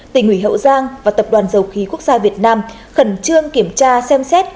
tỉnh ủy hậu giang và tập đoàn dầu khí quốc gia việt nam khẩn trương kiểm tra xem xét